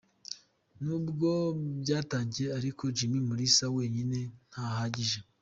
Nubwo byatangiye ariko Jimmy Mulisa wenyine ntahagije.